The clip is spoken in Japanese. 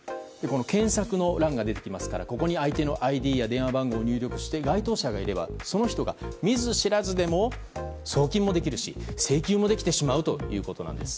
検索の欄が出てきますから相手のＩＤや電話番号を入力して該当者がいればその人が見ず知らずでも送金もできるし請求もできてしまうんです。